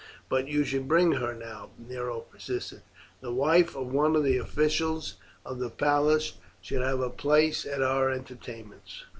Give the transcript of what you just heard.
"But you should bring her now," Nero persisted. "The wife of one of the officials of the palace should have a place at our entertainments."